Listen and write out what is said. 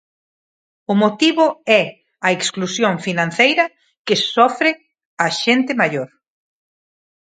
O motivo é a exclusión financeira que sofre a xente maior.